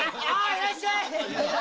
いらっしゃい。